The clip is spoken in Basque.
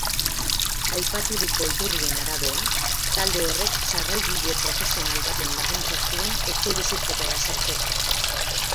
Aipaturiko iturrien arabera, talde horrek sarrailagile profesional baten laguntza zuen etxebizitzetara sartzeko.